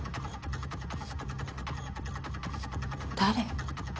誰？